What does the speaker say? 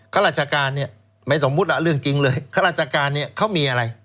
ข้าราชการเนี่ยไม่สมมุติเรื่องจริงเลยข้าราชการเนี่ยเขามีอะไร